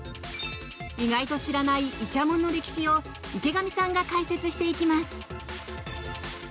意外と知らないイチャモンの歴史を池上さんが解説していきます。